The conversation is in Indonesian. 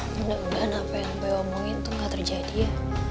mudah mudahan apa yang saya omongin tuh gak terjadi ya